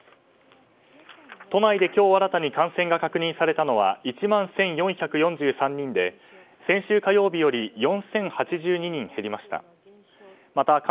都内で今日新たに感染が確認されたのは１万１４４３人で先週火曜日より４０８２人減りました。